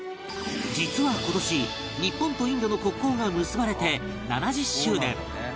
実は今年日本とインドの国交が結ばれて７０周年！